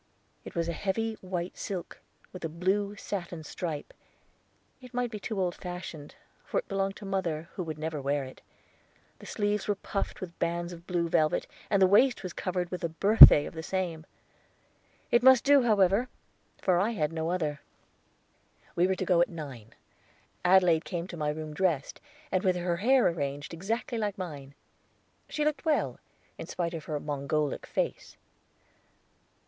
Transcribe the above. It was a heavy white silk, with a blue satin stripe. It might be too old fashioned, for it belonged to mother, who would never wear it. The sleeves were puffed with bands of blue velvet, and the waist was covered with a berthé of the same. It must do, however, for I had no other. We were to go at nine. Adelaide came to my room dressed, and with her hair arranged exactly like mine. She looked well, in spite of her Mongolic face.